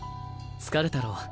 疲れたろう。